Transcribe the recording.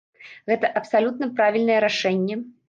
Гэта абсалютна правільнае рашэнне.